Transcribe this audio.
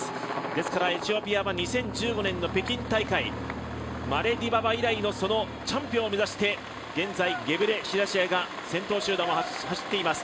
ですから愛知尾ぽあは２０１５年の北京大会ディババ以来のチャンピオンを目指して現在、ゲブレシラシエ先頭集団が走っています。